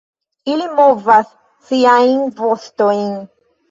Ili movas siajn vostojn.